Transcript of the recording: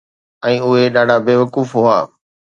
۽ اهي ڏاڍا بيوقوف هئا